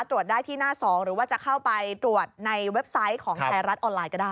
ตรวจได้ที่หน้า๒หรือว่าจะเข้าไปตรวจในเว็บไซต์ของไทยรัฐออนไลน์ก็ได้